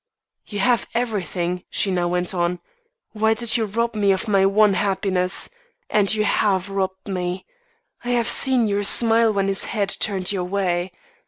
"'You have everything,' she now went on. 'Why did you rob me of my one happiness? And you have robbed me. I have seen your smile when his head turned your way.